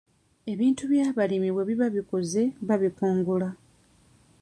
Ebintu by'abalimi bwe biba bikuze, babikungula.